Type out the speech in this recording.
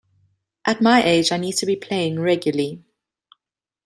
At my age I need to be playing regularly.